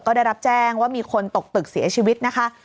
ก็ได้รับแจ้งว่ามีคนตกตึกเสียชีวิตนะคะ